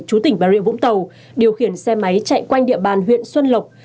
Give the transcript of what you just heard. chú tỉnh bà rịa vũng tàu điều khiển xe máy chạy quanh địa bàn huyện xuân lộc